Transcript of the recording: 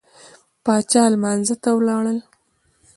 پاچا لمانځه ته ولاړل.